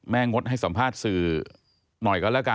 งดให้สัมภาษณ์สื่อหน่อยก็แล้วกัน